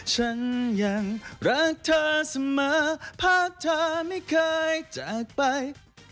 ฉันยังรักเธอเสมอภาคเธอไม่เคยจากไป